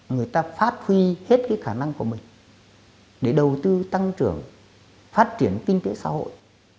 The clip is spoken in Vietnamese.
người ta phát huy hết cái khả năng của mình để đầu tư tăng trưởng phát triển kinh tế xã hội